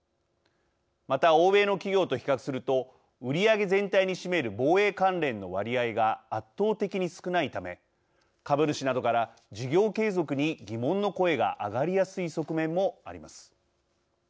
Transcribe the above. また欧米の企業と比較すると売り上げ全体に占める防衛関連の割合が圧倒的に少ないため株主などから事業継続に疑問の声が上がりやすい側面もあります。